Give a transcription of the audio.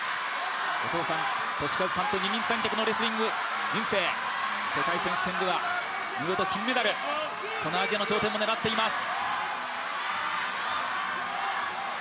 お父さん、俊一さんと二人三脚で挑んだアジア大会、世界選手権では見事金メダルアジアの頂点も狙っています。